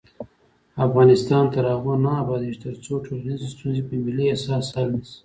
افغانستان تر هغو نه ابادیږي، ترڅو ټولنیزې ستونزې په ملي احساس حل نشي.